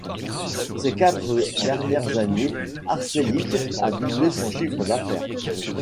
Ces quatre dernières années, Arçelik a doublé son chiffre d’affaires.